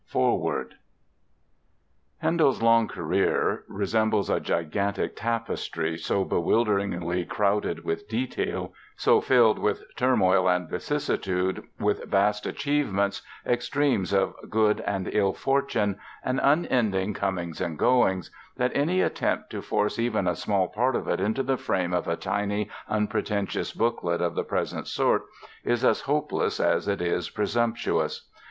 ] FOREWORD Handel's long career resembles a gigantic tapestry, so bewilderingly crowded with detail, so filled with turmoil and vicissitude, with vast achievements, extremes of good and ill fortune, and unending comings and goings that any attempt to force even a small part of it into the frame of a tiny, unpretentious booklet of the present sort is as hopeless as it is presumptuous.